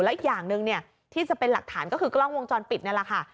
อีกอย่างหนึ่งที่จะเป็นหลักฐานก็คือกล้องวงจรปิดนี่แหละค่ะ